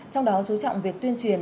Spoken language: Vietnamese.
trong đó chú trọng việc tuyên truyền